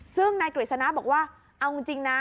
ซึ่งนายกฤษณะบอกว่าเอาจริงนะ